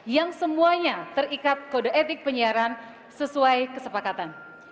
yang semuanya terikat kode etik penyiaran sesuai kesepakatan